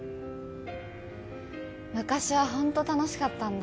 昔はホント楽しかったんだ。